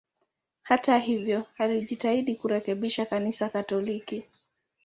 Hata hivyo, alijitahidi kurekebisha Kanisa Katoliki.